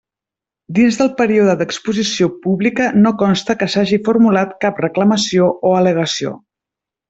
Dins del període d'exposició pública no consta que s'hagi formulat cap reclamació o al·legació.